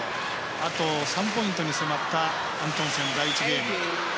あと３ポイントに迫ったアントンセンの第１ゲーム。